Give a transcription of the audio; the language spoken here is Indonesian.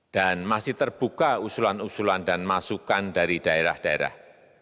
dan masih terbuka usulan usulan dan masukan dari daerah daerah